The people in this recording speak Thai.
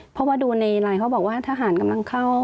เพราะว่าดูในไลน์เขาบอกว่าทหารกำลังเข้า